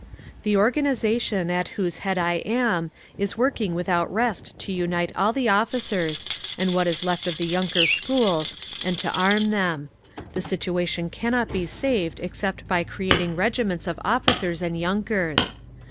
"The organisation at whose head I am is working without rest to unite all the officers and what is left of the yunker schools, and to arm them. The situation cannot be saved except by creating regiments of officers and _yunkers.